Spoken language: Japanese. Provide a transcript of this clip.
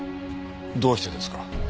どうしてですか？